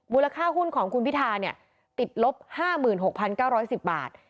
ค่าหุ้นของคุณพิธาติดลบ๕๖๙๑๐บาท